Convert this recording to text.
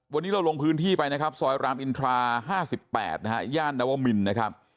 วันนี้เราลงพื้นที่ไปนะครับซอยรามอินทรา๕๘นะฮะย่านนวมินนะครับ